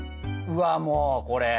うわもうこれ。